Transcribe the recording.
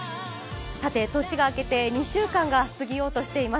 さて、年が明けて２週間が過ぎようとしています。